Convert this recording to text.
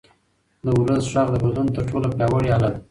د ولس غږ د بدلون تر ټولو پیاوړی اله ده